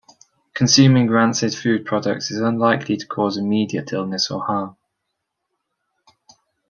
Consuming rancid food products is unlikely to cause immediate illness or harm.